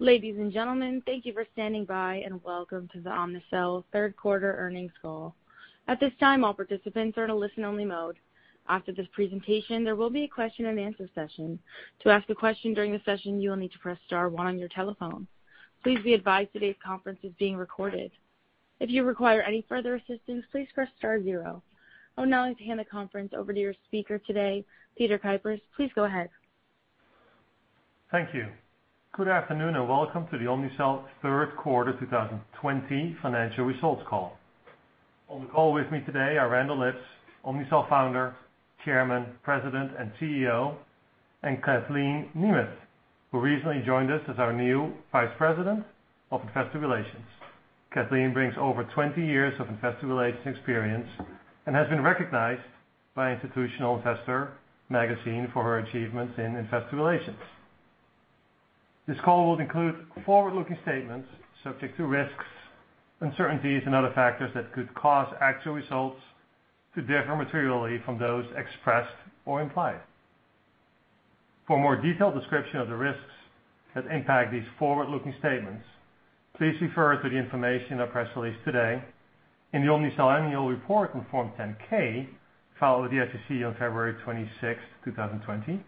Ladies and gentlemen, thank you for standing by, and welcome to the Omnicell third quarter earnings call. At this time, all participants are in a listen-only mode. After this presentation, there will be a question-and-answer session. To ask a question during the session, you will need to press star one on your telephone. Please be advised today's conference is being recorded. If you require any further assistance, please press star zero. I would now like to hand the conference over to your speaker today, Peter Kuipers. Please go ahead. Thank you. Good afternoon, and welcome to the Omnicell third quarter 2020 financial results call. On the call with me today are Randall Lipps, Omnicell Founder, Chairman, President, and Chief Executive Officer, and Kathleen Nemeth, who recently joined us as our new Vice President, Investor Relations. Kathleen brings over 20 years of investor relations experience and has been recognized by Institutional Investor for her achievements in investor relations. This call will include forward-looking statements subject to risks, uncertainties, and other factors that could cause actual results to differ materially from those expressed or implied. For a more detailed description of the risks that impact these forward-looking statements, please refer to the information in our press release today, in the Omnicell Annual Report on Form 10-K filed with the SEC on February 26, 2020,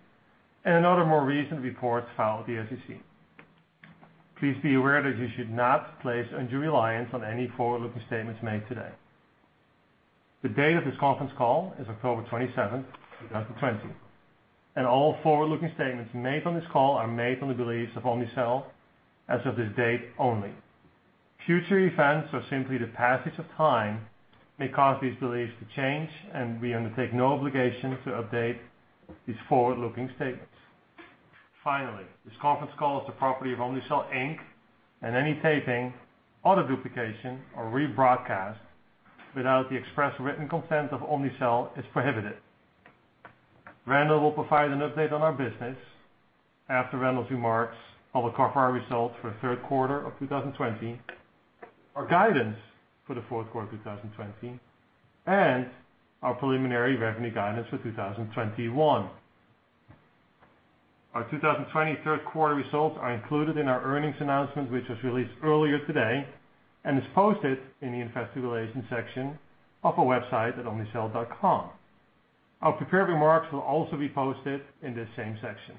and in other more recent reports filed with the SEC. Please be aware that you should not place undue reliance on any forward-looking statements made today. The date of this conference call is October 27, 2020, and all forward-looking statements made on this call are made on the beliefs of Omnicell as of this date only. Future events or simply the passage of time may cause these beliefs to change, and we undertake no obligation to update these forward-looking statements. Finally, this conference call is the property of Omnicell, Inc, and any taping, auto duplication, or rebroadcast without the express written consent of Omnicell is prohibited. Randall will provide an update on our business. After Randall's remarks, I will cover our results for the third quarter of 2020, our guidance for the fourth quarter of 2020, and our preliminary revenue guidance for 2021. Our 2020 third quarter results are included in our earnings announcement, which was released earlier today and is posted in the investor relations section of our website at omnicell.com. Our prepared remarks will also be posted in this same section.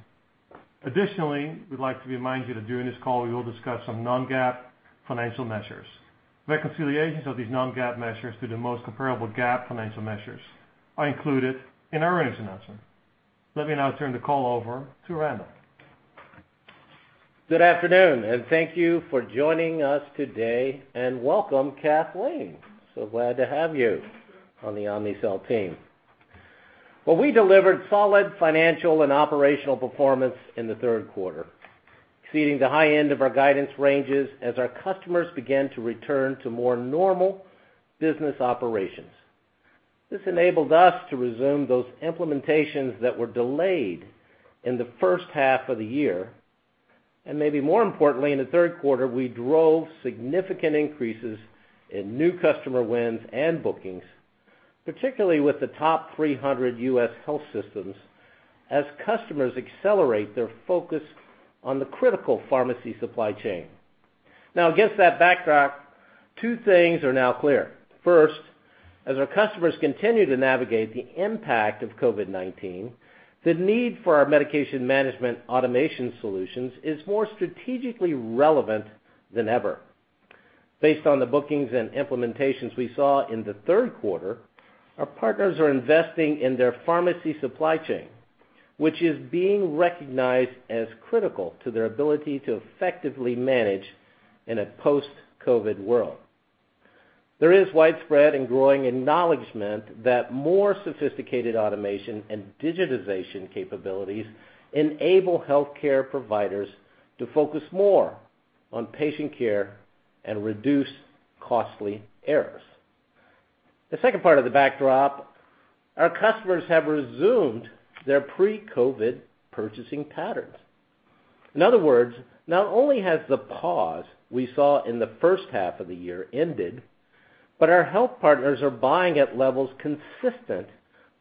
Additionally, we'd like to remind you that during this call, we will discuss some non-GAAP financial measures. Reconciliations of these non-GAAP measures to the most comparable GAAP financial measures are included in our earnings announcement. Let me now turn the call over to Randall. Good afternoon, and thank you for joining us today, and welcome, Kathleen. Glad to have you on the Omnicell team. We delivered solid financial and operational performance in the third quarter, exceeding the high end of our guidance ranges as our customers began to return to more normal business operations. This enabled us to resume those implementations that were delayed in the first half of the year, and maybe more importantly, in the third quarter, we drove significant increases in new customer wins and bookings, particularly with the top 300 U.S. health systems as customers accelerate their focus on the critical pharmacy supply chain. Against that backdrop, two things are now clear. First, as our customers continue to navigate the impact of COVID-19, the need for our medication management automation solutions is more strategically relevant than ever. Based on the bookings and implementations we saw in the third quarter, our partners are investing in their pharmacy supply chain, which is being recognized as critical to their ability to effectively manage in a post-COVID world. There is widespread and growing acknowledgment that more sophisticated automation and digitization capabilities enable healthcare providers to focus more on patient care and reduce costly errors. The second part of the backdrop, our customers have resumed their pre-COVID purchasing patterns. In other words, not only has the pause we saw in the first half of the year ended, but our health partners are buying at levels consistent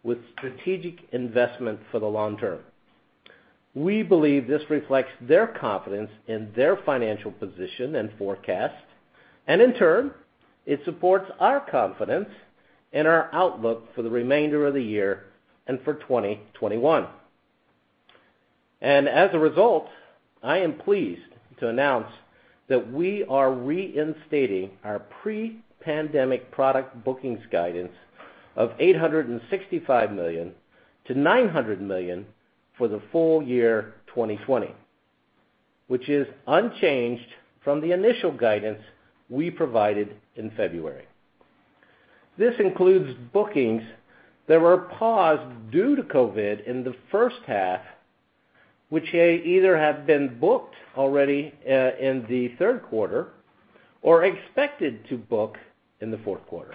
with strategic investment for the long term. We believe this reflects their confidence in their financial position and forecast, and in turn, it supports our confidence in our outlook for the remainder of the year and for 2021. As a result, I am pleased to announce that we are reinstating our pre-pandemic product bookings guidance of $865 million-$900 million for the full year 2020, which is unchanged from the initial guidance we provided in February. This includes bookings that were paused due to COVID in the first half, which either have been booked already in the third quarter or are expected to book in the fourth quarter.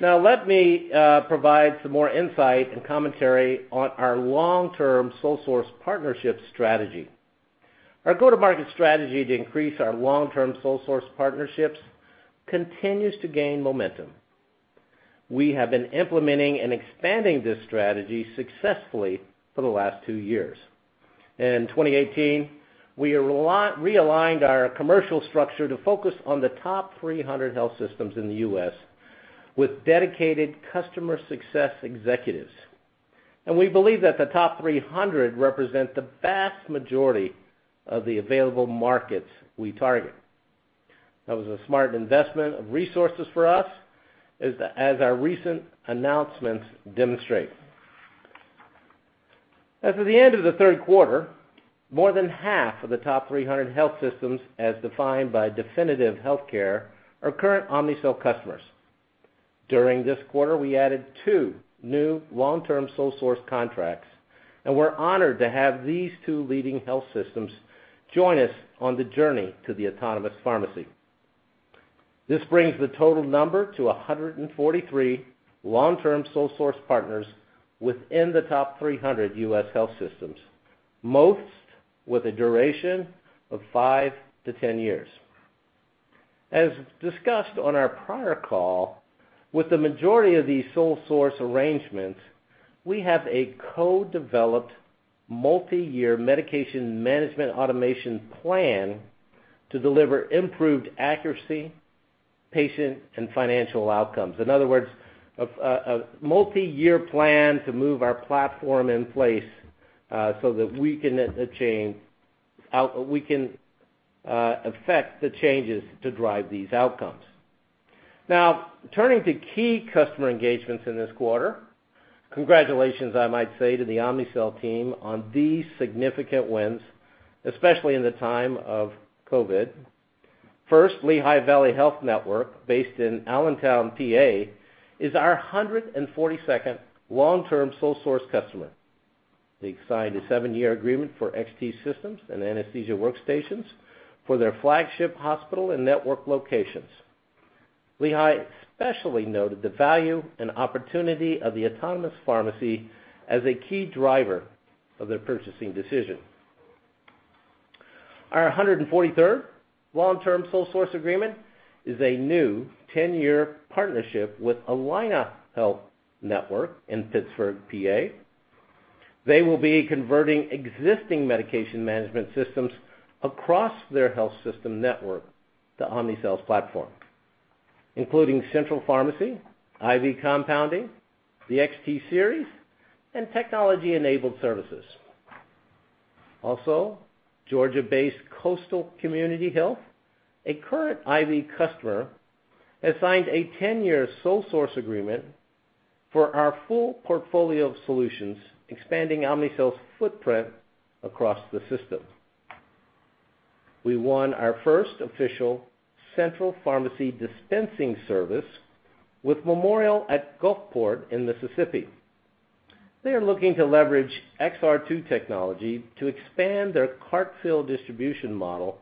Let me provide some more insight and commentary on our long-term sole source partnership strategy. Our go-to-market strategy to increase our long-term sole source partnerships continues to gain momentum. We have been implementing and expanding this strategy successfully for the last two years. In 2018, we realigned our commercial structure to focus on the top 300 health systems in the U.S. with dedicated customer success executives. We believe that the top 300 represent the vast majority of the available markets we target. That was a smart investment of resources for us, as our recent announcements demonstrate. As of the end of the third quarter, more than half of the top 300 health systems, as defined by Definitive Healthcare, are current Omnicell customers. During this quarter, we added two new long-term sole source contracts, and we're honored to have these two leading health systems join us on the journey to the autonomous pharmacy. This brings the total number to 143 long-term sole source partners within the top 300 U.S. health systems, most with a duration of 5-10 years. As discussed on our prior call, with the majority of these sole source arrangements, we have a co-developed multi-year medication management automation plan to deliver improved accuracy, patient, and financial outcomes. In other words, a multi-year plan to move our platform in place so that we can affect the changes to drive these outcomes. Turning to key customer engagements in this quarter. Congratulations, I might say, to the Omnicell team on these significant wins, especially in the time of COVID-19. First, Lehigh Valley Health Network, based in Allentown, P.A., is our 142nd long-term sole source customer. They signed a seven-year agreement for XT systems and XT Anesthesia Workstations for their flagship hospital and network locations. Lehigh especially noted the value and opportunity of the autonomous pharmacy as a key driver of their purchasing decision. Our 143rd long-term sole source agreement is a new 10-year partnership with Allegheny Health Network in Pittsburgh, P.A. They will be converting existing medication management systems across their health system network to Omnicell's platform, including central pharmacy, IV compounding, the XT Series, and technology-enabled services. Also, Georgia-based Coastal Community Health, a current IV customer, has signed a 10-year sole source agreement for our full portfolio of solutions, expanding Omnicell's footprint across the system. We won our first official central pharmacy dispensing service with Memorial at Gulfport in Mississippi. They are looking to leverage XR2 technology to expand their cart fill distribution model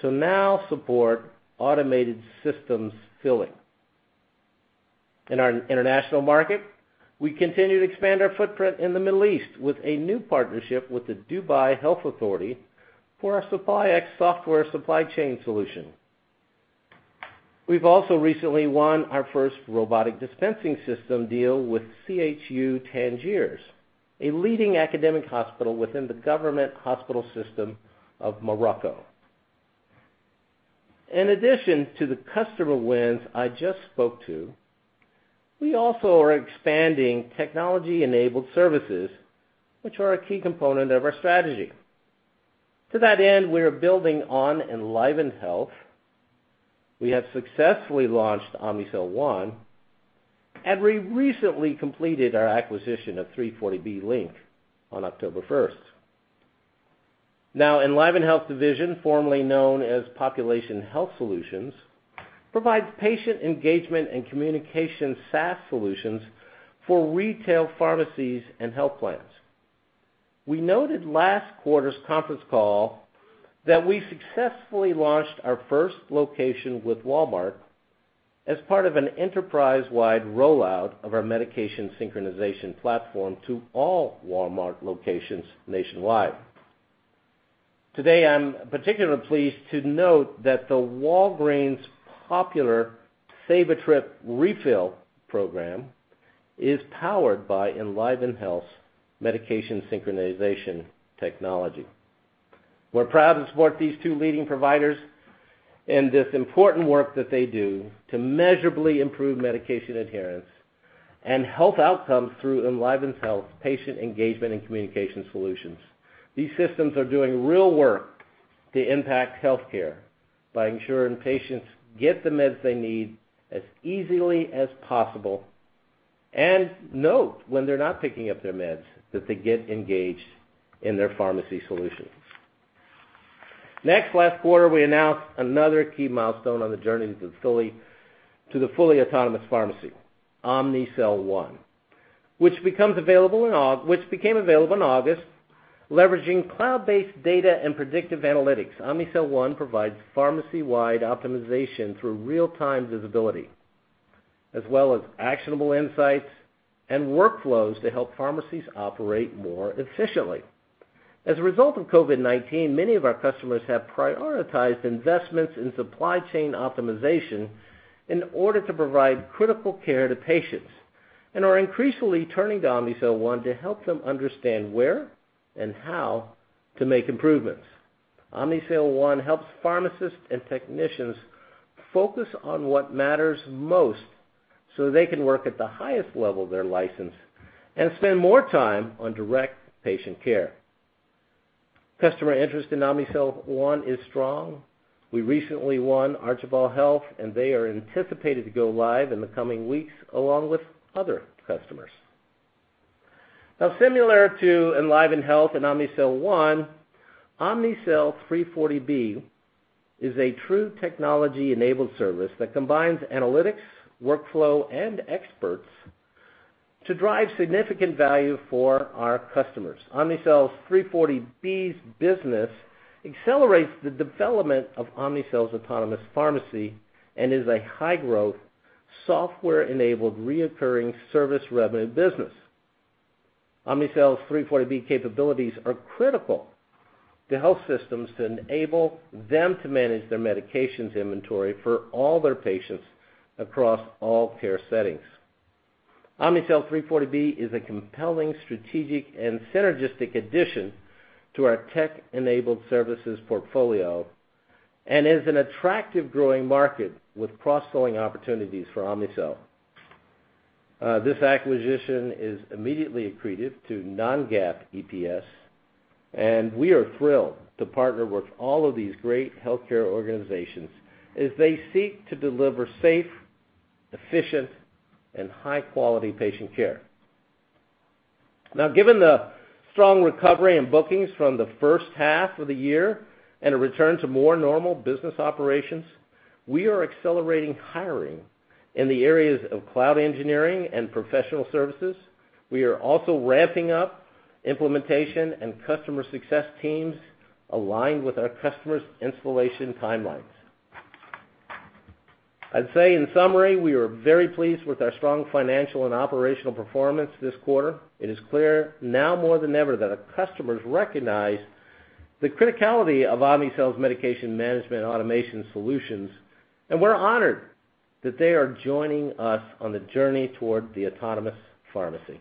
to now support automated systems filling. In our international market, we continue to expand our footprint in the Middle East with a new partnership with the Dubai Health Authority for our SupplyX software supply chain solution. We've also recently won our first robotic dispensing system deal with CHU Tanger, a leading academic hospital within the government hospital system of Morocco. In addition to the customer wins I just spoke to, we also are expanding technology-enabled services, which are a key component of our strategy. To that end, we are building on EnlivenHealth. We have successfully launched Omnicell One, and we recently completed our acquisition of 340B Link on October 1st. Now, EnlivenHealth Division, formerly known as Population Health Solutions, provides patient engagement and communication SaaS solutions for retail pharmacies and health plans. We noted last quarter's conference call that we successfully launched our first location with Walmart as part of an enterprise-wide rollout of our medication synchronization platform to all Walmart locations nationwide. Today, I'm particularly pleased to note that the Walgreens popular Save a Trip Refills program is powered by EnlivenHealth's medication synchronization technology. We're proud to support these two leading providers in this important work that they do to measurably improve medication adherence and health outcomes through EnlivenHealth's patient engagement and communication solutions. These systems are doing real work to impact healthcare by ensuring patients get the meds they need as easily as possible and note when they're not picking up their meds, that they get engaged in their pharmacy solutions. Last quarter, we announced another key milestone on the journey to the fully autonomous pharmacy, Omnicell One, which became available in August, leveraging cloud-based data and predictive analytics. Omnicell One provides pharmacy-wide optimization through real-time visibility, as well as actionable insights and workflows to help pharmacies operate more efficiently. As a result of COVID-19, many of our customers have prioritized investments in supply chain optimization in order to provide critical care to patients, and are increasingly turning to Omnicell One to help them understand where and how to make improvements. Omnicell One helps pharmacists and technicians focus on what matters most so they can work at the highest level of their license and spend more time on direct patient care. Customer interest in Omnicell One is strong. We recently won Archbold Medical Center, and they are anticipated to go live in the coming weeks, along with other customers. Similar to EnlivenHealth and Omnicell One, Omnicell 340B is a true technology-enabled service that combines analytics, workflow, and experts to drive significant value for our customers. Omnicell's 340B business accelerates the development of Omnicell's autonomous pharmacy and is a high growth, software-enabled, recurring service revenue business. Omnicell's 340B capabilities are critical to health systems to enable them to manage their medications inventory for all their patients across all care settings. Omnicell 340B is a compelling, strategic, and synergistic addition to our tech-enabled services portfolio and is an attractive growing market with cross-selling opportunities for Omnicell. This acquisition is immediately accretive to non-GAAP EPS, and we are thrilled to partner with all of these great healthcare organizations as they seek to deliver safe, efficient, and high-quality patient care. Now, given the strong recovery in bookings from the first half of the year and a return to more normal business operations, we are accelerating hiring in the areas of cloud engineering and professional services. We are also ramping up implementation and customer success teams aligned with our customers' installation timelines. I'd say in summary, we are very pleased with our strong financial and operational performance this quarter. It is clear now more than ever that our customers recognize the criticality of Omnicell's medication management automation solutions. We're honored that they are joining us on the journey toward the autonomous pharmacy.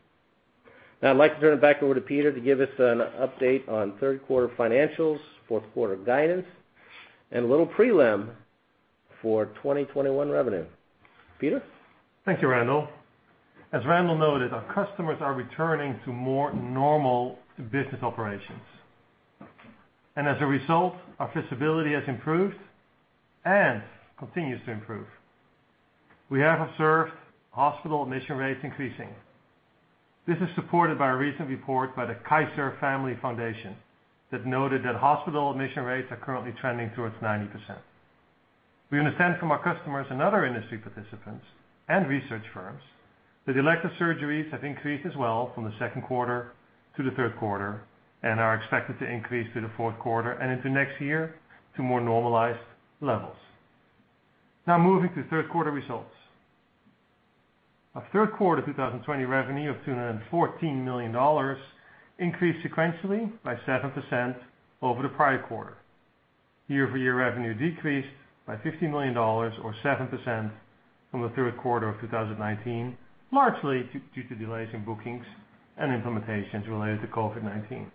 I'd like to turn it back over to Peter to give us an update on third quarter financials, fourth quarter guidance, and a little prelim for 2021 revenue. Peter? Thank you, Randall. As Randall noted, our customers are returning to more normal business operations. As a result, our visibility has improved and continues to improve. We have observed hospital admission rates increasing. This is supported by a recent report by the Kaiser Family Foundation that noted that hospital admission rates are currently trending towards 90%. We understand from our customers and other industry participants and research firms that elective surgeries have increased as well from the second quarter to the third quarter, and are expected to increase through the fourth quarter and into next year to more normalized levels. Now moving to third quarter results. Our third quarter 2020 revenue of $214 million increased sequentially by 7% over the prior quarter. Year-over-year revenue decreased by $50 million, or 7%, from the third quarter of 2019, largely due to delays in bookings and implementations related to COVID-19.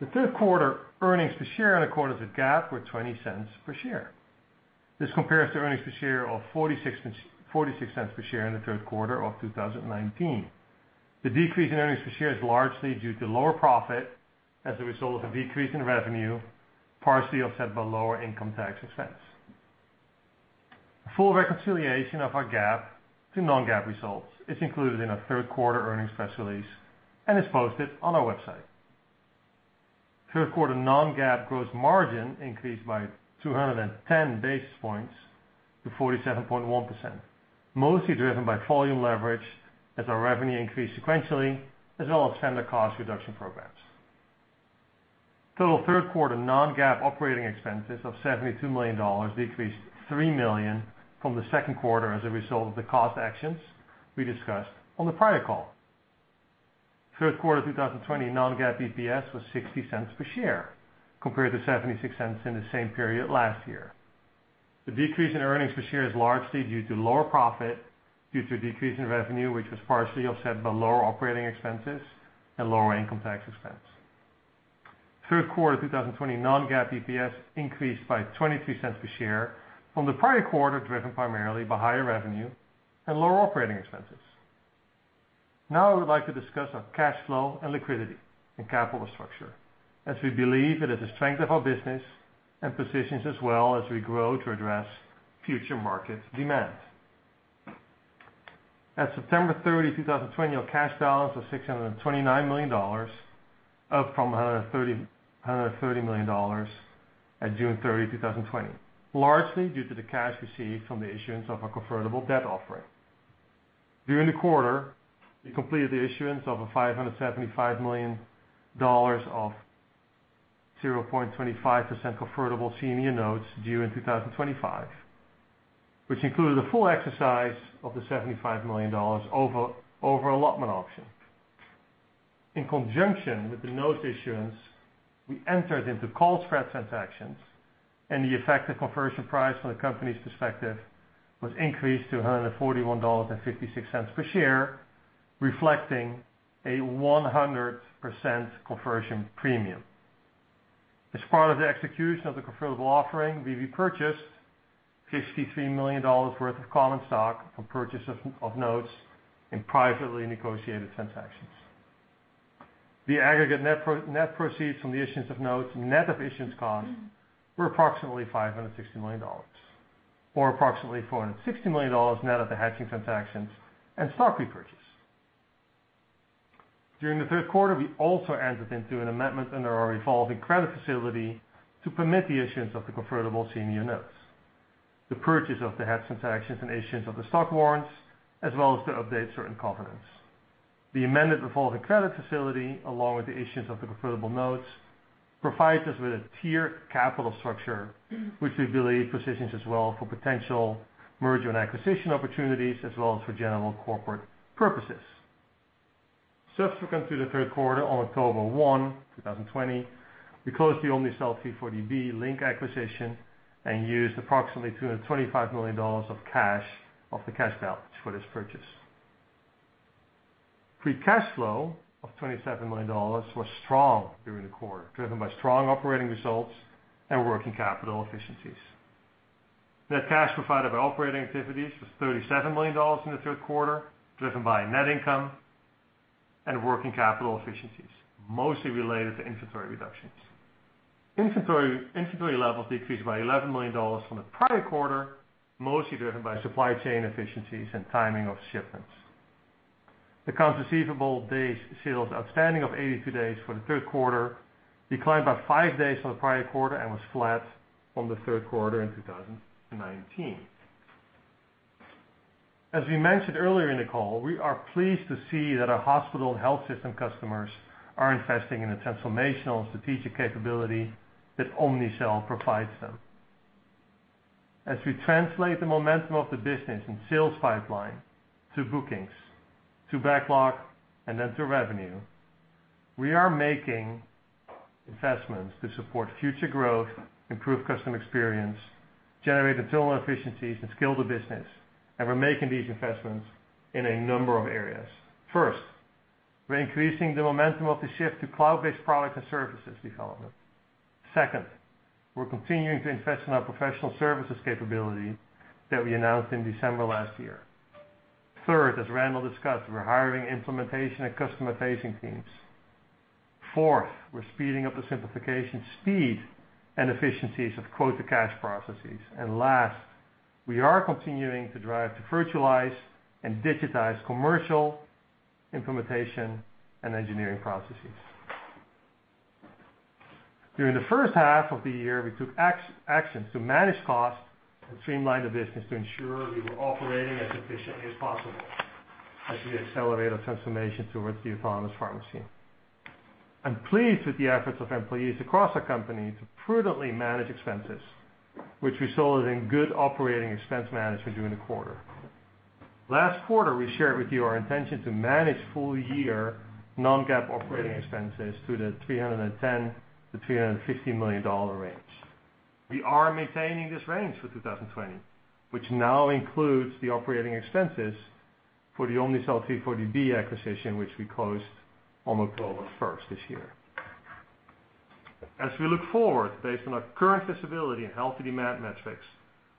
The third quarter earnings per share in accordance with GAAP were $0.20 per share. This compares to earnings per share of $0.46 per share in the third quarter of 2019. The decrease in earnings per share is largely due to lower profit as a result of a decrease in revenue, partially offset by lower income tax expense. A full reconciliation of our GAAP to non-GAAP results is included in our third quarter earnings press release and is posted on our website. Third quarter non-GAAP gross margin increased by 210 basis points to 47.1%, mostly driven by volume leverage as our revenue increased sequentially, as well as vendor cost reduction programs. Total third quarter non-GAAP operating expenses of $72 million decreased $3 million from the second quarter as a result of the cost actions we discussed on the prior call. Third quarter 2020 non-GAAP EPS was $0.60 per share, compared to $0.76 in the same period last year. The decrease in earnings per share is largely due to lower profit due to a decrease in revenue, which was partially offset by lower operating expenses and lower income tax expense. Third quarter 2020 non-GAAP EPS increased by $0.23 per share from the prior quarter, driven primarily by higher revenue and lower operating expenses. I would like to discuss our cash flow and liquidity, and capital structure, as we believe it is the strength of our business and positions us well as we grow to address future market demand. At September 30, 2020, our cash balance was $629 million, up from $130 million at June 30, 2020, largely due to the cash received from the issuance of our convertible debt offering. During the quarter, we completed the issuance of a $575 million of 0.25% convertible senior notes due in 2025, which included a full exercise of the $75 million over-allotment option. In conjunction with the note issuance, we entered into call spread transactions. The effective conversion price from the company's perspective was increased to $141.56 per share, reflecting a 100% conversion premium. As part of the execution of the convertible offering, we repurchased $63 million worth of common stock from purchasers of notes in privately negotiated transactions. The aggregate net proceeds from the issuance of notes and net of issuance costs were approximately $560 million, or approximately $460 million net of the hedging transactions and stock repurchase. During the third quarter, we also entered into an amendment under our revolving credit facility to permit the issuance of the convertible senior notes, the purchase of the hedge transactions, and issuance of the stock warrants, as well as to update certain covenants. The amended revolving credit facility, along with the issuance of the convertible notes, provides us with a tiered capital structure, which we believe positions us well for potential merger and acquisition opportunities, as well as for general corporate purposes. Subsequent to the third quarter, on October 1, 2020, we closed the Omnicell 340B Link acquisition and used approximately $225 million of the cash balance for this purchase. Free cash flow of $27 million was strong during the quarter, driven by strong operating results and working capital efficiencies. Net cash provided by operating activities was $37 million in the third quarter, driven by net income and working capital efficiencies, mostly related to inventory reductions. Inventory levels decreased by $11 million from the prior quarter, mostly driven by supply chain efficiencies and timing of shipments. Accounts receivable days sales outstanding of 82 days for the third quarter declined by five days from the prior quarter and was flat from the third quarter in 2019. As we mentioned earlier in the call, we are pleased to see that our hospital and health system customers are investing in the transformational strategic capability that Omnicell provides them. As we translate the momentum of the business and sales pipeline to bookings, to backlog, and then to revenue, we are making investments to support future growth, improve customer experience, generate internal efficiencies, and scale the business, and we're making these investments in a number of areas. First, we're increasing the momentum of the shift to cloud-based product and services development. Second, we're continuing to invest in our professional services capability that we announced in December last year. Third, as Randall discussed, we're hiring implementation and customer-facing teams. Fourth, we're speeding up the simplification speed and efficiencies of quote-to-cash processes. Last, we are continuing to drive to virtualize and digitize commercial implementation and engineering processes. During the first half of the year, we took actions to manage costs and streamline the business to ensure we were operating as efficiently as possible as we accelerate our transformation towards the autonomous pharmacy. I'm pleased with the efforts of employees across our company to prudently manage expenses, which resulted in good operating expense management during the quarter. Last quarter, we shared with you our intention to manage full-year non-GAAP operating expenses to the $310 million-$350 million range. We are maintaining this range for 2020, which now includes the operating expenses for the Omnicell 340B acquisition, which we closed on October 1st this year. As we look forward, based on our current visibility and healthy demand metrics,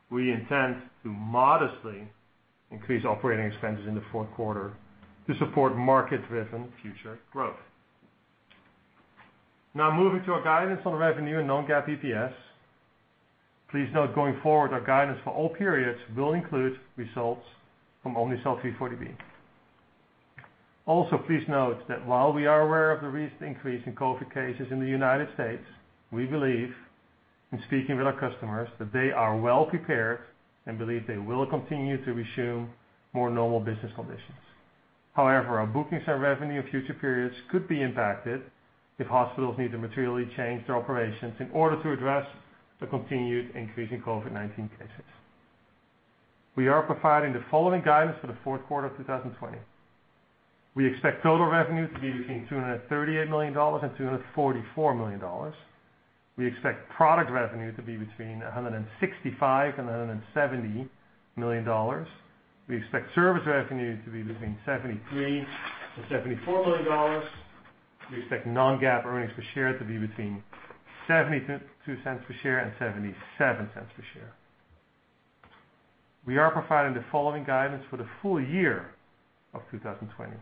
we intend to modestly increase operating expenses in the fourth quarter to support market-driven future growth. Moving to our guidance on revenue and non-GAAP EPS. Please note going forward, our guidance for all periods will include results from Omnicell 340B. Also, please note that while we are aware of the recent increase in COVID cases in the United States, we believe, in speaking with our customers, that they are well prepared and believe they will continue to resume more normal business conditions. However, our bookings and revenue in future periods could be impacted if hospitals need to materially change their operations in order to address the continued increase in COVID-19 cases. We are providing the following guidance for the fourth quarter of 2020. We expect total revenue to be between $238 million and $244 million. We expect product revenue to be between $165 million and $170 million. We expect service revenue to be between $73 million and $74 million. We expect non-GAAP earnings per share to be between $0.72 per share and $0.77 per share. We are providing the following guidance for the full year of 2020.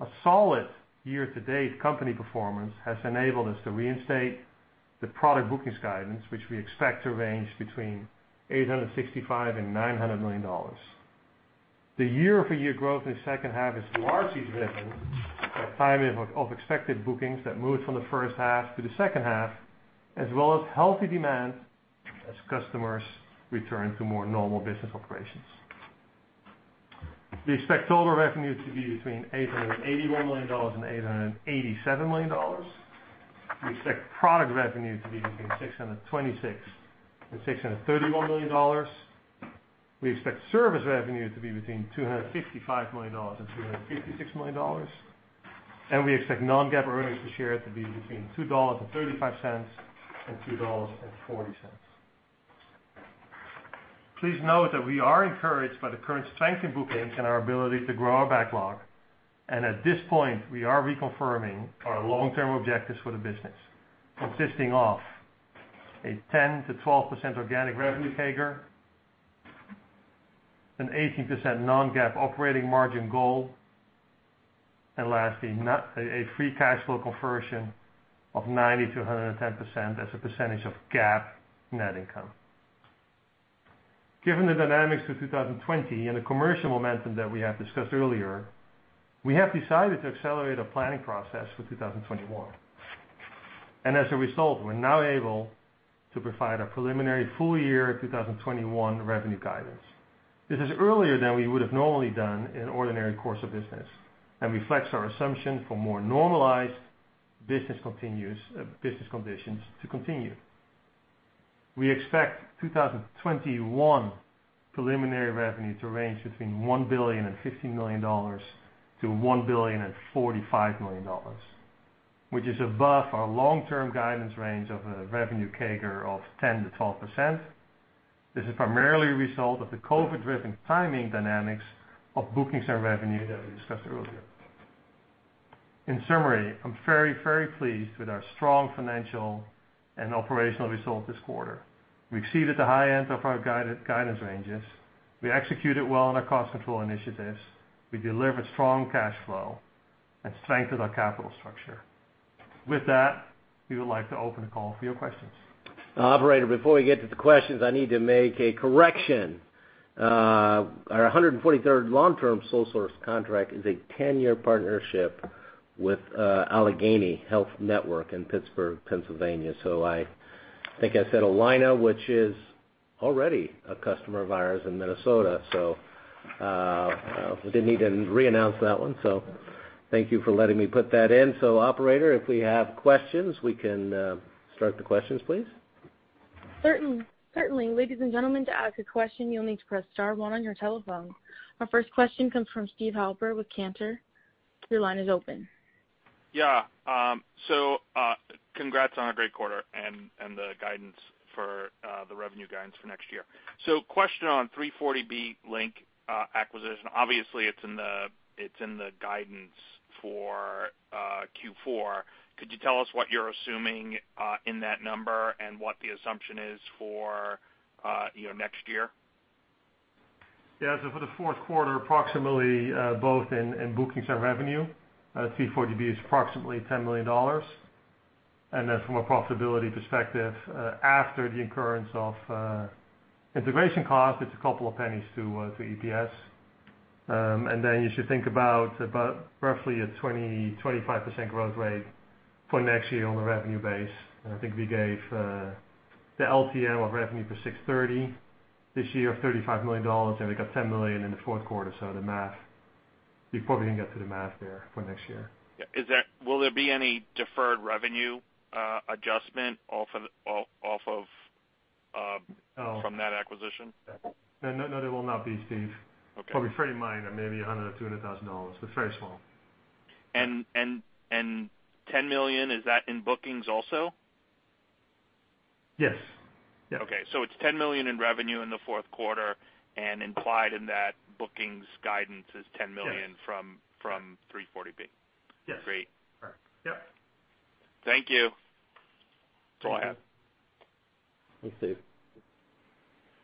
A solid year-to-date company performance has enabled us to reinstate the product bookings guidance, which we expect to range between $865 million and $900 million. The year-over-year growth in the second half is largely driven by timing of expected bookings that moved from the first half to the second half, as well as healthy demand as customers return to more normal business operations. We expect total revenue to be between $881 million and $887 million. We expect product revenue to be between $626 million and $631 million. We expect service revenue to be between $255 million and $256 million. We expect non-GAAP EPS to be between $2.35 and $2.40. Please note that we are encouraged by the current strength in bookings and our ability to grow our backlog. At this point, we are reconfirming our long-term objectives for the business, consisting of a 10%-12% organic revenue CAGR, an 18% non-GAAP operating margin goal, and lastly, a free cash flow conversion of 90%-110% as a percentage of GAAP net income. Given the dynamics for 2020 and the commercial momentum that we have discussed earlier, we have decided to accelerate our planning process for 2021. As a result, we're now able to provide our preliminary full-year 2021 revenue guidance. This is earlier than we would have normally done in ordinary course of business and reflects our assumption for more normalized business conditions to continue. We expect 2021 preliminary revenue to range between $1.015 billion-$1.045 billion, which is above our long-term guidance range of a revenue CAGR of 10%-12%. This is primarily a result of the COVID-driven timing dynamics of bookings and revenue that we discussed earlier. In summary, I'm very pleased with our strong financial and operational results this quarter. We exceeded the high end of our guidance ranges. We executed well on our cost control initiatives. We delivered strong cash flow and strengthened our capital structure. With that, we would like to open the call for your questions. Operator, before we get to the questions, I need to make a correction. Our 143rd long-term sole source contract is a 10-year partnership with Allegheny Health Network in Pittsburgh, Pennsylvania. I think I said Allina, which is already a customer of ours in Minnesota. We didn't need to re-announce that one. Thank you for letting me put that in. Operator, if we have questions, we can start the questions, please. Certainly. Ladies and gentlemen, to ask a question, you will need to press star one on your telephone. Our first question comes from Steve Halper with Cantor. Your line is open. Yeah. Congrats on a great quarter and the revenue guidance for next year. Question on 340B Link acquisition. Obviously, it's in the guidance for Q4. Could you tell us what you're assuming in that number and what the assumption is for next year? For the fourth quarter, approximately, both in bookings and revenue, 340B is approximately $10 million. From a profitability perspective, after the incurrence of integration cost, it's a couple of pennies to EPS. You should think about roughly a 20%-25% growth rate for next year on a revenue base. I think we gave the LTM of revenue for 6/30 this year of $35 million, and we got $10 million in the fourth quarter, you probably can get to the math there for next year. Yeah. Will there be any deferred revenue adjustment from that acquisition? No, there will not be, Steve. Okay. Probably very minor, maybe $100,000, $200,000, but very small. $10 million, is that in bookings also? Yes. Okay. It's $10 million in revenue in the fourth quarter, and implied in that bookings guidance is $10 million. Yes from 340B. Yes. Great. Correct. Yep. Thank you. Thanks, Steve.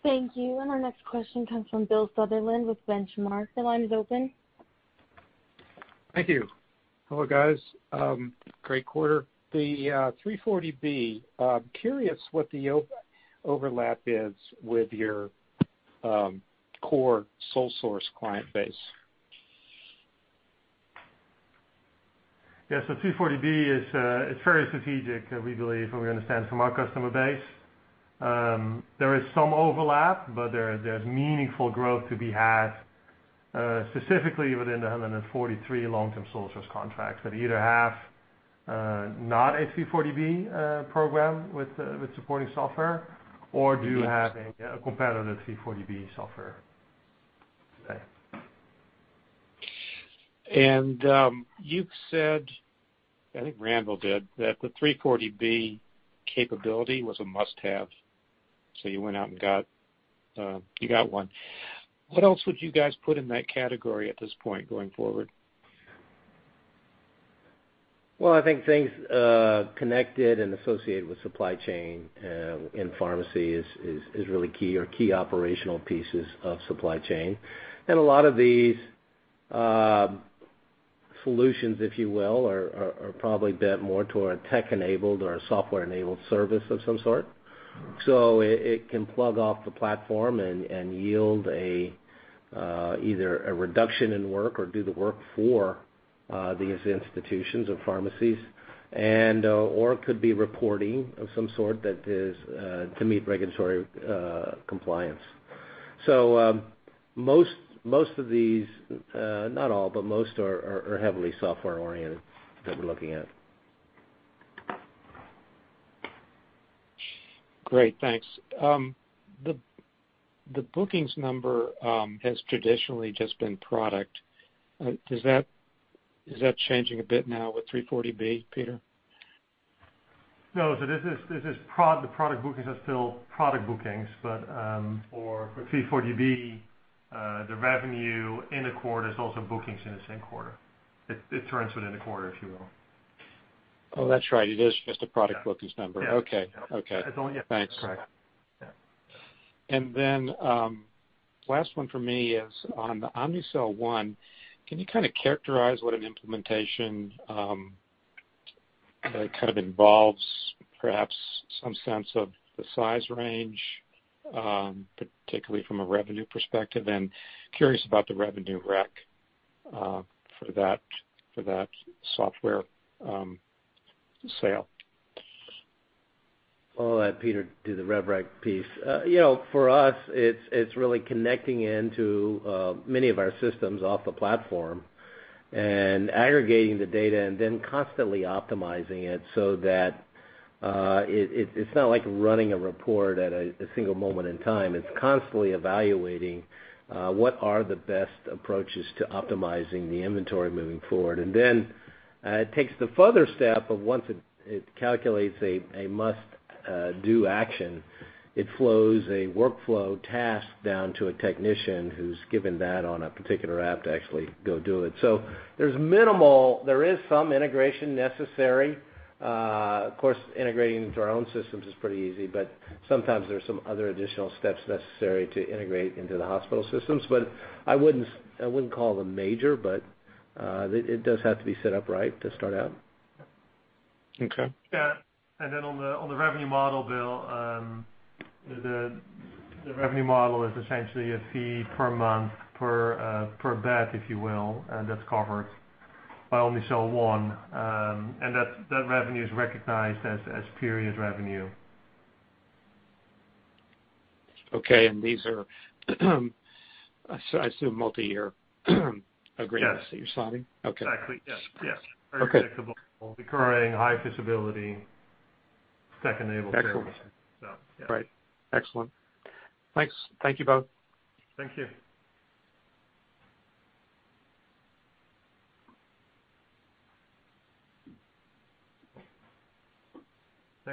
Thank you. Our next question comes from Bill Sutherland with Benchmark. Your line is open. Thank you. Hello, guys. Great quarter. The 340B, I'm curious what the overlap is with your core sole source client base. 340B is very strategic, we believe, from what we understand from our customer base. There is some overlap, but there's meaningful growth to be had, specifically within the 143 long-term sole source contracts that either have not a 340B program with supporting software or do have a competitive 340B software today. You've said, I think Randall did, that the 340B capability was a must-have, so you went out, and you got one. What else would you guys put in that category at this point going forward? Well, I think things connected and associated with supply chain in pharmacy is really key or key operational pieces of supply chain. A lot of these solutions, if you will, are probably bent more toward a tech-enabled or a software-enabled service of some sort. It can plug off the platform and yield either a reduction in work or do the work for these institutions or pharmacies, or could be reporting of some sort to meet regulatory compliance. Most of these, not all, but most are heavily software-oriented that we're looking at. Great, thanks. The bookings number has traditionally just been product. Is that changing a bit now with 340B, Peter? No. The product bookings are still product bookings, but for 340B, the revenue in a quarter is also bookings in the same quarter. It turns within a quarter, if you will. Oh, that's right. It is just a product bookings number. Yeah. Okay. Thanks. Correct. Yeah. Last one for me is on the Omnicell One, can you characterize what an implementation kind of involves, perhaps some sense of the size range, particularly from a revenue perspective, and curious about the revenue rec for that software sale? I'll let Peter do the rev rec piece. For us, it's really connecting into many of our systems off the platform and aggregating the data and then constantly optimizing it so that it's not like running a report at a single moment in time. It's constantly evaluating what are the best approaches to optimizing the inventory moving forward. It takes the further step of once it calculates a must-do action, it flows a workflow task down to a technician who's given that on a particular app to actually go do it. There is some integration necessary. Of course, integrating into our own systems is pretty easy, but sometimes there's some other additional steps necessary to integrate into the hospital systems. I wouldn't call them major, but it does have to be set up right to start out. Okay. On the revenue model, Bill, the revenue model is essentially a fee per month per bed, if you will, that's covered by Omnicell One. That revenue is recognized as period revenue. Okay, these are I assume multi-year agreements? Yes that you're signing. Okay. Exactly, yes. Okay. Very predictable, recurring, high visibility, tech-enabled services. Excellent. Yeah. Right. Excellent. Thanks. Thank you both. Thank you.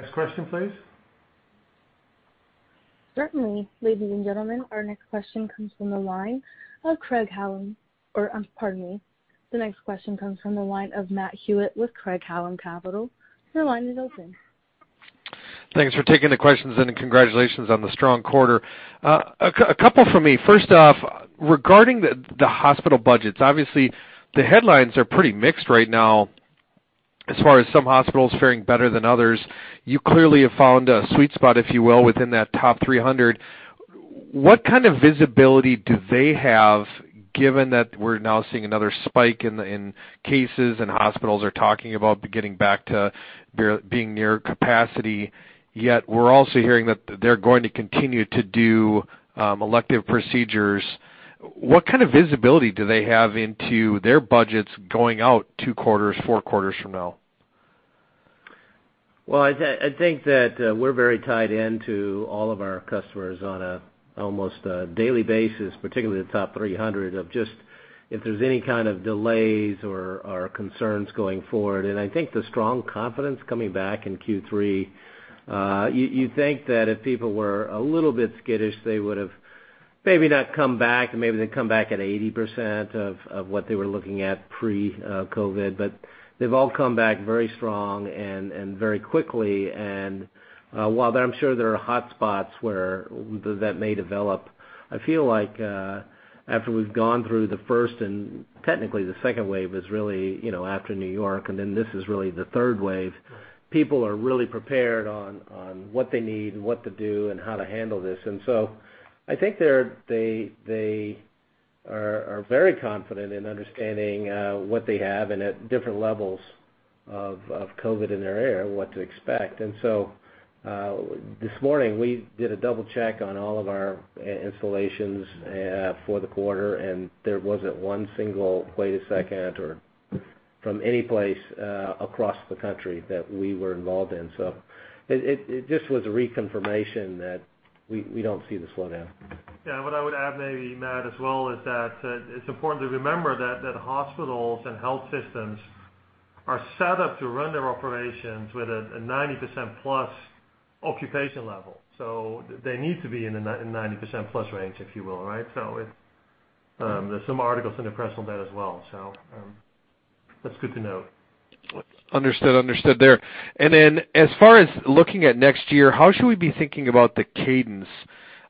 Next question, please. Certainly. Ladies and gentlemen, our next question comes from the line of Matt Hewitt with Craig-Hallum Capital. Your line is open. Thanks for taking the questions and congratulations on the strong quarter. A couple from me. First off, regarding the hospital budgets, obviously the headlines are pretty mixed right now as far as some hospitals faring better than others. You clearly have found a sweet spot, if you will, within that top 300. What kind of visibility do they have given that we're now seeing another spike in cases and hospitals are talking about getting back to being near capacity, yet we're also hearing that they're going to continue to do elective procedures. What kind of visibility do they have into their budgets going out two quarters, four quarters from now? I think that we're very tied in to all of our customers on an almost daily basis, particularly the top 300, of just if there's any kind of delays or concerns going forward. I think the strong confidence coming back in Q3, you'd think that if people were a little bit skittish, they would've maybe not come back, and maybe they'd come back at 80% of what they were looking at pre-COVID, but they've all come back very strong and very quickly. While I'm sure there are hot spots where that may develop, I feel like after we've gone through the first and technically the second wave is really after New York, and then this is really the third wave. People are really prepared on what they need and what to do and how to handle this. I think they are very confident in understanding what they have and at different levels of COVID in their area, what to expect. This morning, we did a double check on all of our installations for the quarter, and there wasn't one single wait a second or from any place across the country that we were involved in. It just was a reconfirmation that we don't see the slowdown. Yeah, what I would add maybe, Matt, as well, is that it's important to remember that hospitals and health systems are set up to run their operations with a 90%+ occupation level. They need to be in the 90%+ range, if you will, right? There's some articles in the press on that as well. That's good to know. Understood there. As far as looking at next year, how should we be thinking about the cadence?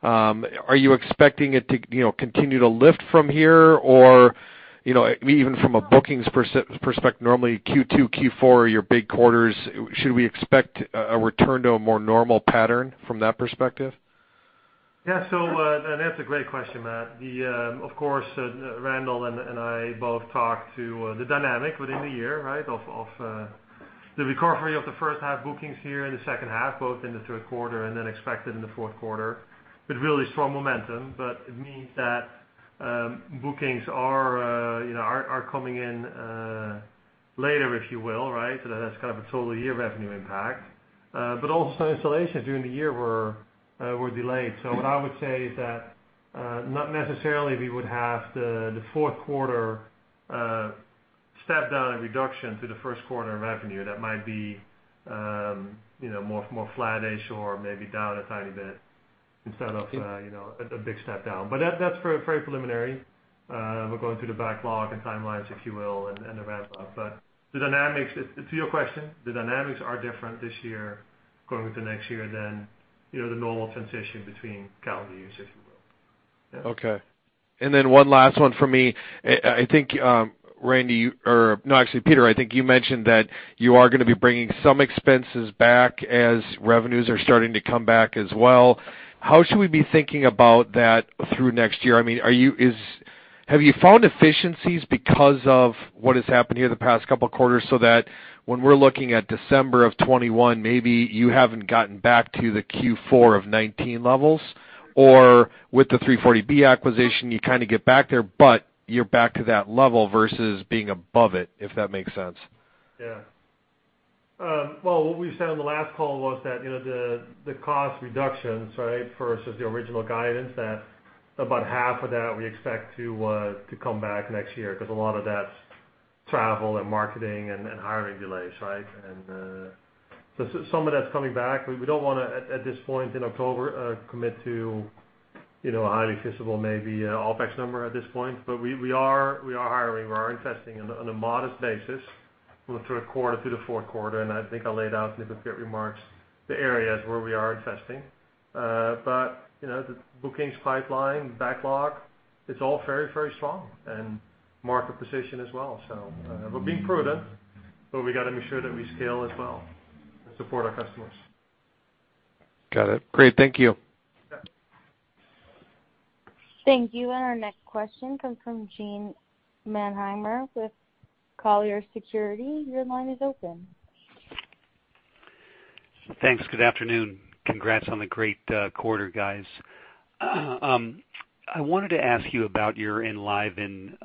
Are you expecting it to continue to lift from here? From a bookings perspective, normally Q2, Q4 are your big quarters. Should we expect a return to a more normal pattern from that perspective? Yeah. That's a great question, Matt. Of course, Randall and I both talked to the dynamic within the year of the recovery of the first half bookings here in the second half, both in the third quarter and then expected in the fourth quarter, with really strong momentum. It means that bookings are coming in later, if you will. That's kind of a total year revenue impact. Also, installations during the year were delayed. What I would say is that not necessarily we would have the fourth quarter step down in reduction to the first quarter of revenue. That might be more flattish or maybe down a tiny bit instead of a big step down. That's very preliminary. We're going through the backlog and timelines, if you will, and the ramp-up. To your question, the dynamics are different this year going into next year than the normal transition between calendar years, if you will. Okay. One last one from me. Peter, I think you mentioned that you are going to be bringing some expenses back as revenues are starting to come back as well. How should we be thinking about that through next year? Have you found efficiencies because of what has happened here the past couple of quarters, so that when we're looking at December of 2021, maybe you haven't gotten back to the Q4 of 2019 levels? With the 340B acquisition, you kind of get back there, but you're back to that level versus being above it, if that makes sense. Well, what we said on the last call was that the cost reductions versus the original guidance, that about half of that we expect to come back next year, because a lot of that's travel and marketing and hiring delays. Some of that's coming back. We don't want to, at this point in October, commit to a highly visible, maybe, OpEx number at this point. We are hiring, we are investing on a modest basis from the third quarter to the fourth quarter, and I think I laid out in the prepared remarks the areas where we are investing. The bookings pipeline, backlog, it's all very strong, and market position as well. We're being prudent, but we've got to make sure that we scale as well and support our customers. Got it. Great. Thank you. Yeah. Thank you. Our next question comes from Gene Mannheimer with Colliers Securities. Your line is open. Thanks. Good afternoon. Congrats on the great quarter, guys. I wanted to ask you about your Enliven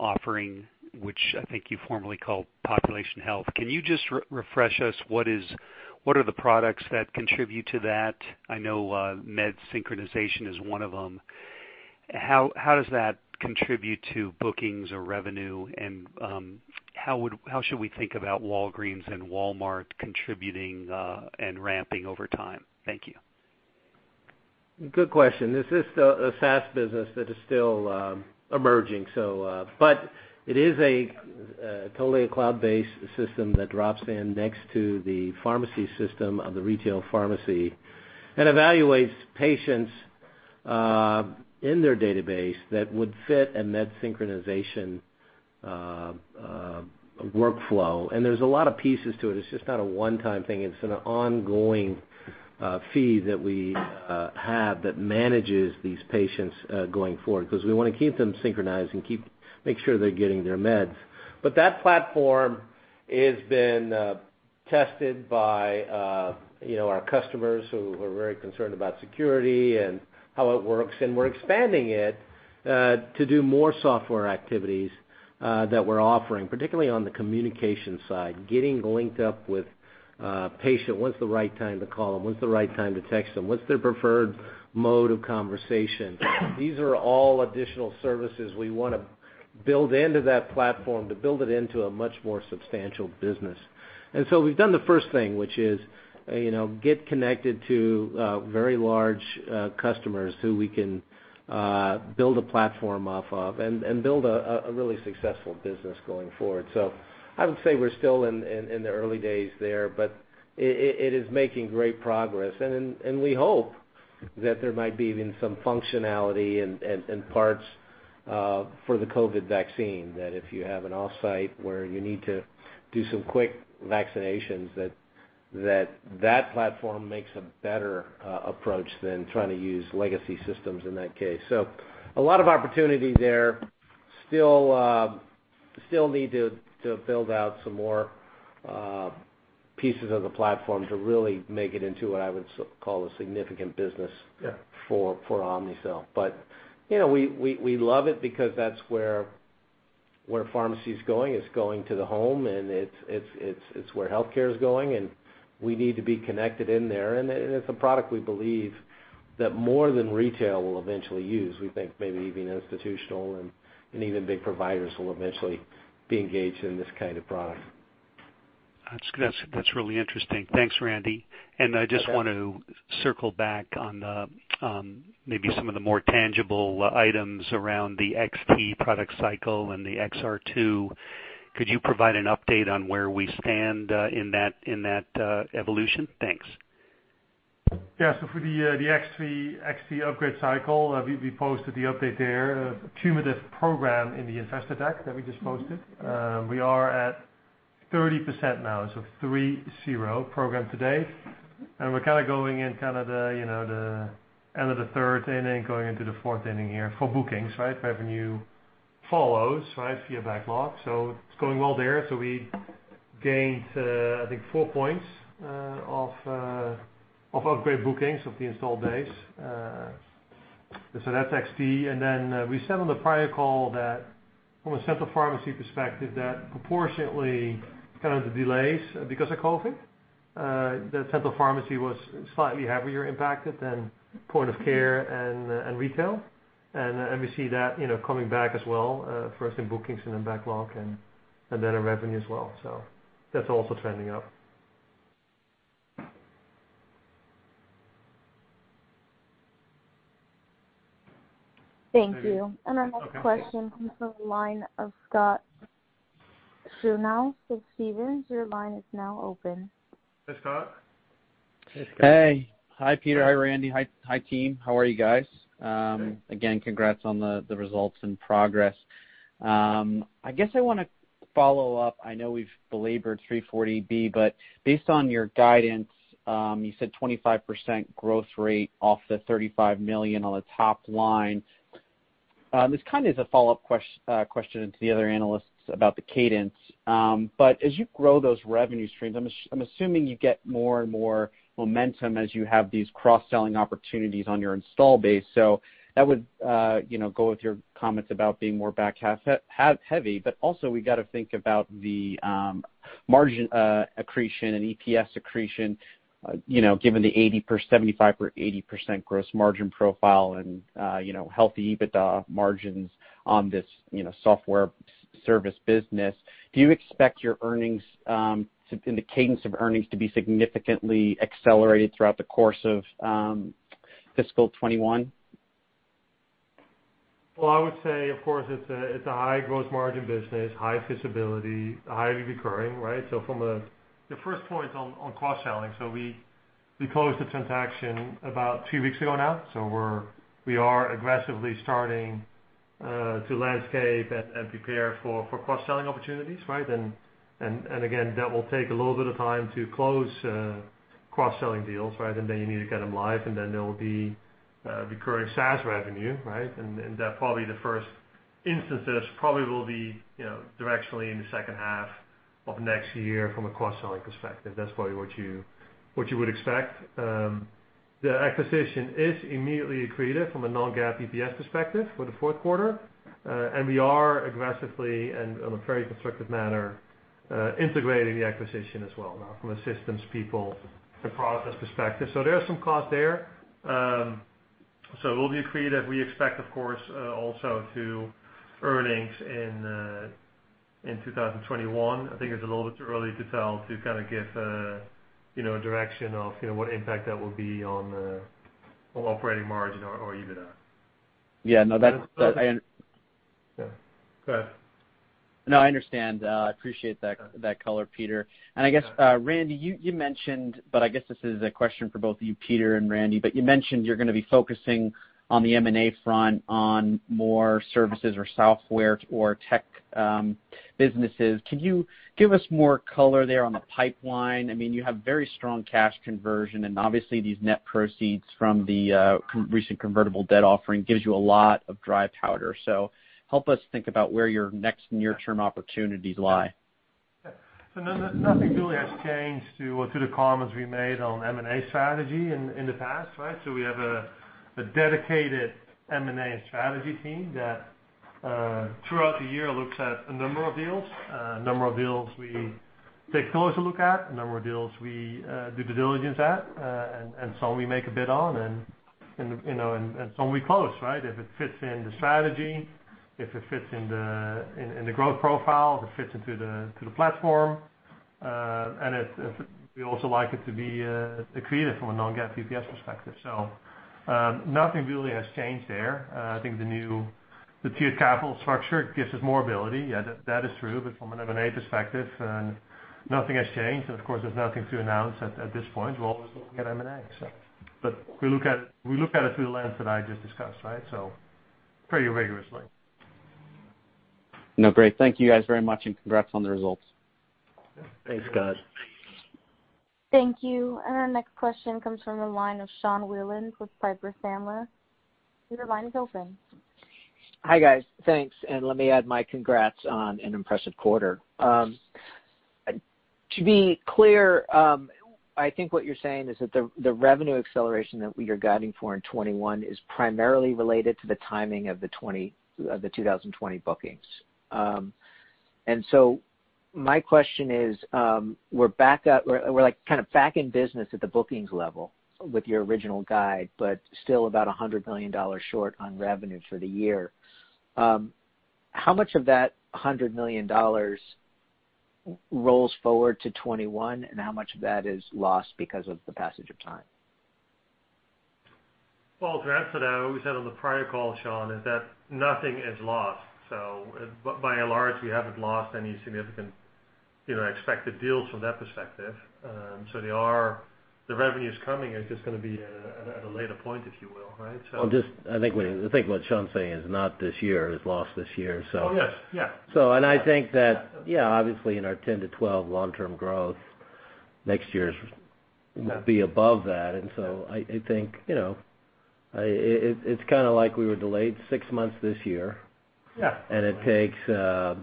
offering, which I think I formerly called Population Health. Can you just refresh us, what are the products that contribute to that? I know med synchronization is one of them. How does that contribute to bookings or revenue, and how should we think about Walgreens and Walmart contributing and ramping over time? Thank you. Good question. This is a SaaS business that is still emerging. It is totally a cloud-based system that drops in next to the pharmacy system of the retail pharmacy and evaluates patients in their database that would fit a med synchronization workflow. There's a lot of pieces to it. It's just not a one-time thing. It's an ongoing fee that we have that manages these patients going forward, because we want to keep them synchronized and make sure they're getting their meds. That platform has been tested by our customers who are very concerned about security and how it works, and we're expanding it to do more software activities that we're offering, particularly on the communication side, getting linked up with a patient. When's the right time to call them? When's the right time to text them? What's their preferred mode of conversation? These are all additional services we want to build into that platform to build it into a much more substantial business. We've done the first thing, which is get connected to very large customers who we can build a platform off of and build a really successful business going forward. I would say we're still in the early days there, but it is making great progress. We hope that there might be even some functionality and parts for the COVID vaccine, that if you have an offsite where you need to do some quick vaccinations, that that platform makes a better approach than trying to use legacy systems in that case. A lot of opportunity there. Still need to build out some more pieces of the platform to really make it into what I would call a significant business for Omnicell. We love it because that's where pharmacy's going. It's going to the home, and it's where healthcare is going, and we need to be connected in there. It's a product we believe that more than retail will eventually use. We think maybe even institutional and even big providers will eventually be engaged in this kind of product. That's really interesting. Thanks, Randy. I just want to circle back on maybe some of the more tangible items around the XT product cycle and the XR2. Could you provide an update on where we stand in that evolution? Thanks. Yeah. For the XT upgrade cycle, we posted the update there, a cumulative program in the investor deck that we just posted. We are at 30% now. 30 program to date. We're going in the end of the third inning, going into the fourth inning here for bookings, right? Revenue follows via backlog. It's going well there. We gained, I think, four points of upgrade bookings of the installed base. That's XT. We said on the prior call that from a central pharmacy perspective, that proportionately, kind of the delays because of COVID, that central pharmacy was slightly heavier impacted than point of care and retail. We see that coming back as well, first in bookings and in backlog and then in revenue as well. That's also trending up. Thank you. Okay. Our next question comes from the line of Scott Schoenhaus with Stephens. Hey, Scott. Hey. Hi, Peter. Hi, Randy. Hi, team. How are you guys? Good. Again, congrats on the results and progress. I guess I want to follow up, I know we've belabored 340B, based on your guidance, you said 25% growth rate off the $35 million on the top line. This kind of is a follow-up question to the other analysts about the cadence. As you grow those revenue streams, I'm assuming you get more and more momentum as you have these cross-selling opportunities on your install base. That would go with your comments about being more back half heavy, but also we got to think about the margin accretion and EPS accretion, given the 75% or 80% gross margin profile and healthy EBITDA margins on this software service business. Do you expect your earnings, in the cadence of earnings, to be significantly accelerated throughout the course of fiscal 2021? Well, I would say, of course, it's a high gross margin business, high visibility, highly recurring, right? From the first point on cross-selling, we closed the transaction about two weeks ago now. We are aggressively starting to landscape and prepare for cross-selling opportunities, right? Again, that will take a little bit of time to close cross-selling deals, right? Then you need to get them live, then there will be recurring SaaS revenue, right? That probably the first instances probably will be directionally in the second half of next year from a cross-selling perspective. That's probably what you would expect. The acquisition is immediately accretive from a non-GAAP EPS perspective for the fourth quarter. We are aggressively, and in a very constructive manner, integrating the acquisition as well now from a systems, people, and process perspective. There is some cost there. We'll be accretive. We expect, of course, also to earnings in 2021. I think it's a little bit too early to tell, to kind of give a direction of what impact that will be on operating margin or EBITDA. Yeah, no, that's- Go ahead. No, I understand. I appreciate that color, Peter. I guess, Randy, you mentioned, but I guess this is a question for both of you, Peter and Randy, but you mentioned you're going to be focusing on the M&A front on more services or software or tech businesses. Can you give us more color there on the pipeline? You have very strong cash conversion, and obviously these net proceeds from the recent convertible debt offering gives you a lot of dry powder. Help us think about where your next near-term opportunities lie. Nothing really has changed to the comments we made on M&A strategy in the past, right? We have a dedicated M&A strategy team that, throughout the year, looks at a number of deals. A number of deals we take a closer look at, a number of deals we do due diligence at, and some we make a bid on and some we close, right? If it fits in the strategy, if it fits in the growth profile, if it fits into the platform. We also like it to be accretive from a non-GAAP EPS perspective. Nothing really has changed there. I think the new tiered capital structure gives us more ability. Yeah, that is true. From an M&A perspective, nothing has changed. Of course, there's nothing to announce at this point. We're always looking at M&A. We look at it through the lens that I just discussed, right? Pretty rigorously. No, great. Thank you guys very much, and congrats on the results. Thanks, Scott. Thank you. Our next question comes from the line of Sean Wieland with Piper Sandler. Your line is open. Hi, guys. Thanks, and let me add my congrats on an impressive quarter. To be clear, I think what you're saying is that the revenue acceleration that you're guiding for in 2021 is primarily related to the timing of the 2020 bookings. My question is, we're back up, we're kind of back in business at the bookings level with your original guide, but still about $100 million short on revenue for the year. How much of that $100 million rolls forward to 2021, and how much of that is lost because of the passage of time? To answer that, what we said on the prior call, Sean, is that nothing is lost. By and large, we haven't lost any significant expected deals from that perspective. The revenue's coming, it's just going to be at a later point, if you will, right? Well, I think what Sean's saying is not this year, is lost this year. Yes. Yeah. I think that, yeah, obviously in our 10 to 12 long-term growth. Next year's will be above that. I think it's like we were delayed six months this year. Yeah. And it takes-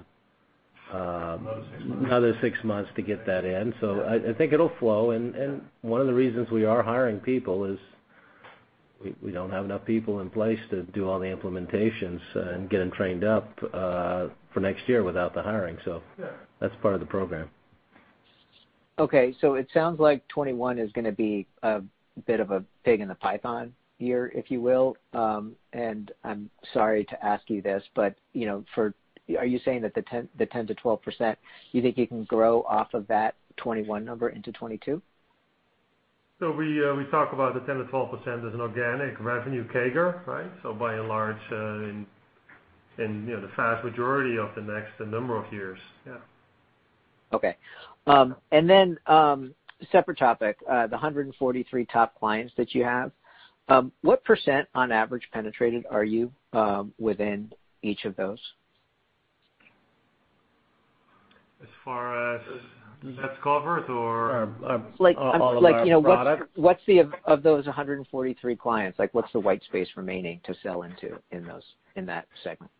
Another six months. another six months to get that in. I think it'll flow. One of the reasons we are hiring people is we don't have enough people in place to do all the implementations and get them trained up for next year without the hiring. Yeah that's part of the program. Okay, it sounds like 2021 is going to be a bit of a pig in the python year, if you will. I'm sorry to ask you this, but are you saying that the 10%-12%, you think you can grow off of that 2021 number into 2022? We talk about the 10%-12% as an organic revenue CAGR, right? By and large, in the vast majority of the next number of years, yeah. Okay. Separate topic. The 143 top clients that you have, what percent on average penetrated are you within each of those? As far as that's covered. all of our products Like, of those 143 clients, what's the white space remaining to sell into in that segment?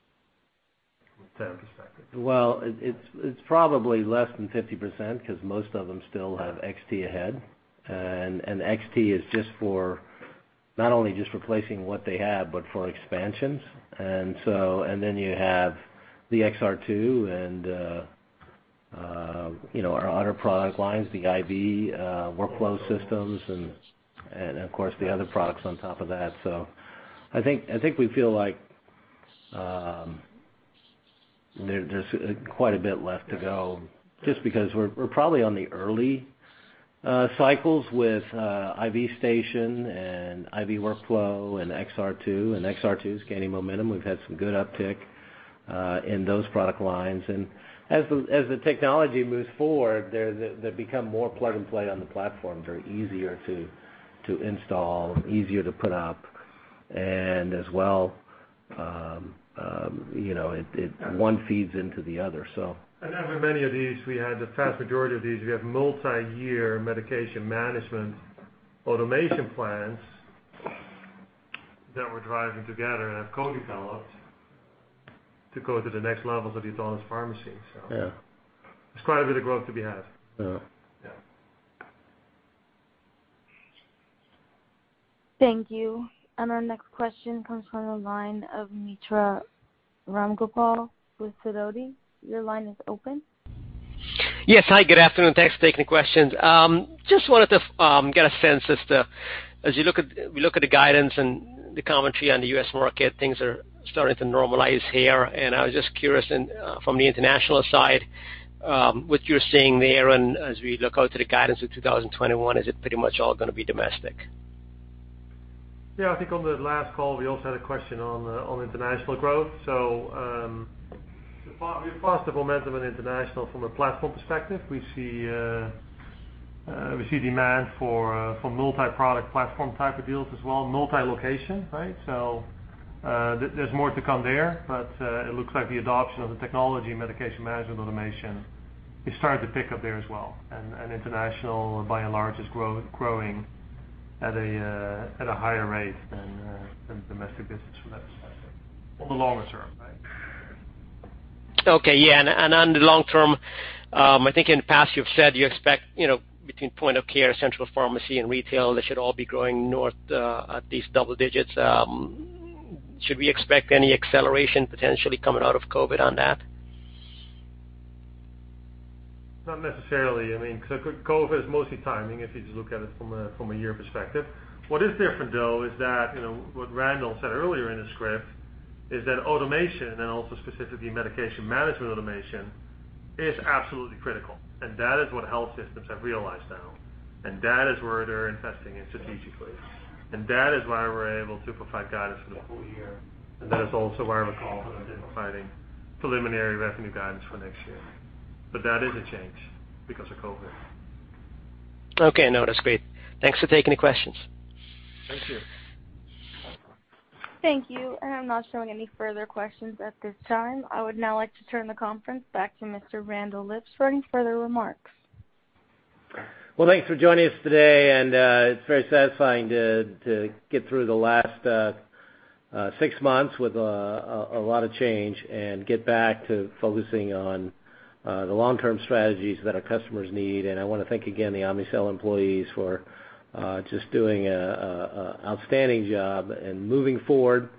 From a tech perspective. Well, it's probably less than 50%, because most of them still have XT ahead. XT is not only just replacing what they have, but for expansions. Then you have the XR2 and our other product lines, the IVX Workflow systems and, of course, the other products on top of that. I think we feel like there's quite a bit left to go just because we're probably on the early cycles with i.v.STATION and IVX Workflow and XR2, and XR2's gaining momentum. We've had some good uptick in those product lines. As the technology moves forward, they become more plug and play on the platform. They're easier to install, easier to put up, and as well one feeds into the other. As with many of these, we have the vast majority of these, we have multi-year medication management automation plans that we're driving together and have co-developed to go to the next levels of the autonomous pharmacy. Yeah. There's quite a bit of growth to be had. Yeah. Yeah. Thank you. Our next question comes from the line of Mitra Ramgopal with Sidoti. Your line is open. Yes. Hi, good afternoon. Thanks for taking the questions. Just wanted to get a sense as to, as we look at the guidance and the commentary on the U.S. market, things are starting to normalize here. I was just curious from the international side, what you're seeing there, and as we look out to the guidance of 2021, is it pretty much all going to be domestic? Yeah, I think on the last call, we also had a question on international growth. We've lost the momentum in international from a platform perspective. We see demand for multi-product platform type of deals as well, multi-location, right? There's more to come there, but it looks like the adoption of the technology and medication management automation is starting to pick up there as well. International, by and large, is growing at a higher rate than domestic business from that perspective on the longer term, right? Okay, yeah. On the long term, I think in the past you've said you expect between point of care, central pharmacy, and retail, they should all be growing north at least double digits. Should we expect any acceleration potentially coming out of COVID on that? Not necessarily. Because COVID is mostly timing, if you just look at it from a year perspective. What is different, though, is that what Randall said earlier in the script is that automation and also specifically medication management automation is absolutely critical. That is what health systems have realized now, and that is where they're investing in strategically. That is why we're able to provide guidance for the full year. That is also why we're confident in providing preliminary revenue guidance for next year. That is a change because of COVID. Okay, no, that's great. Thanks for taking the questions. Thank you. Thank you. I'm not showing any further questions at this time. I would now like to turn the conference back to Mr. Randall Lipps for any further remarks. Thanks for joining us today, and it's very satisfying to get through the last six months with a lot of change and get back to focusing on the long-term strategies that our customers need. I want to thank again the Omnicell employees for just doing an outstanding job and moving forward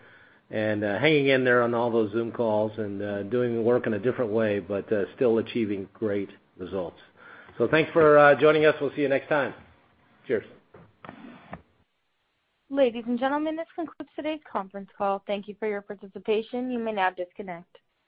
and hanging in there on all those Zoom calls and doing the work in a different way, but still achieving great results. Thanks for joining us. We'll see you next time. Cheers. Ladies and gentlemen, this concludes today's conference call. Thank you for your participation. You may now disconnect.